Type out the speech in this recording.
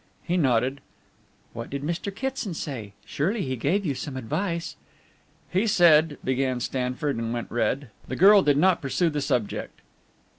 He nodded. "What did Mr. Kitson say? Surely he gave you some advice." "He said " began Stanford, and went red. The girl did not pursue the subject.